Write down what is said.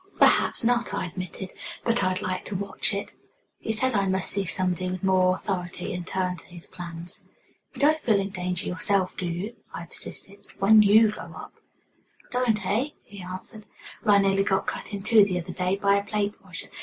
"Perhaps not," I admitted. "But I'd like to watch it." He said I must see somebody with more authority, and turned to his plans. "You don't feel in danger yourself, do you," I persisted, "when you go up?" "Don't, eh?" he answered. "Well, I nearly got cut in two the other day by a plate washer.